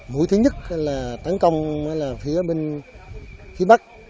mũi thứ nhất là tấn công là phía bên phía bắc